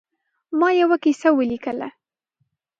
ما یوه کیسه ولیکله.